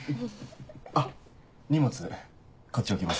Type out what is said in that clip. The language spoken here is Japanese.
あっ荷物こっち置きます。